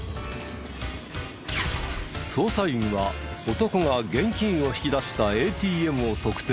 捜査員は男が現金を引き出したＡＴＭを特定。